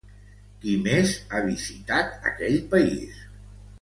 Qui més ha visitat aquell país?